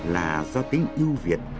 là do tiếng yêu việt